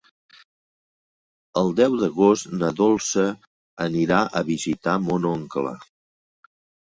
El deu d'agost na Dolça anirà a visitar mon oncle.